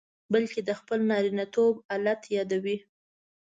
بلکې د خپل نارینتوب آلت یادوي.